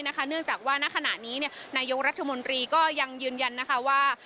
เนื่องจากว่าณขณะนี้นายกรัฐมนตรีก็ยังยืนยันนะคะว่า